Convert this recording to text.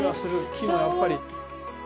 木のやっぱり。